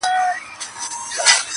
o مخ ګلاب لېمه نرګس زلفي سنبل سوې,